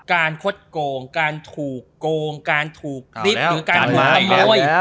การคดโกงการถูกโกงการถูกติ๊บหรือการถูกทำโยย